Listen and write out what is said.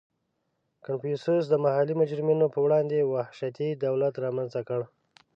• کنفوسیوس د محلي مجرمینو په وړاندې وحشتي دولت رامنځته کړ.